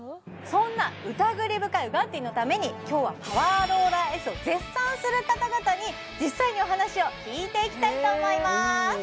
そんなうたぐり深いウガッティーのために今日はパワーローラーＳを絶賛する方々に実際にお話を聞いていきたいと思います